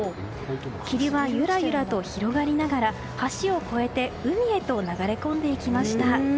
霧はゆらゆらと広がりながら橋を越えて海へと流れ込んでいきました。